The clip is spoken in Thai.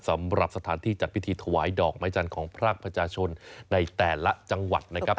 สำหรับสถานที่จัดพิธีถวายดอกไม้จันทร์ของพรากประชาชนในแต่ละจังหวัดนะครับ